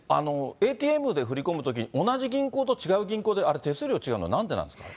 ＡＴＭで振り込むとき、同じ銀行と違う銀行であれ、手数料違うの、なんでなんですか。